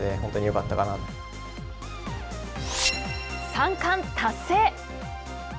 三冠達成。